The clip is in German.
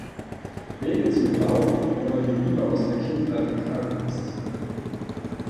Wege zum Glauben oder die Liebe aus der Kindheit" enthalten ist.